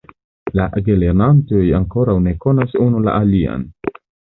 La gelernantoj ankoraŭ ne konas unu la alian.